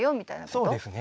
そうですね。